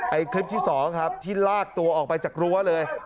คลิปที่สองครับที่ลากตัวออกไปจากรั้วเลย